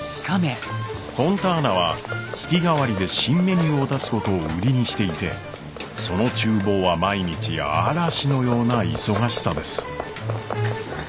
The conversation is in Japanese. フォンターナは月替わりで新メニューを出すことを売りにしていてその厨房は毎日嵐のような忙しさです。